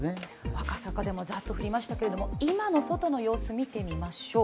赤坂でもざっと降りましたけど、今の外の様子、見てみましょう。